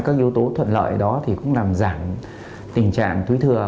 các yếu tố thuận lợi đó thì cũng làm giảm tình trạng túi thừa